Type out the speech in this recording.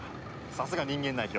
さすが人間代表。